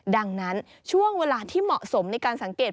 ดังนั้นช่วงเวลาที่เหมาะสมในการสังเกต